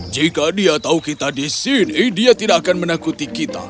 jika dia tahu kita di sini dia tidak akan menakuti kita